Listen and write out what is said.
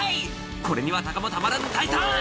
これにはタカもたまらず退散！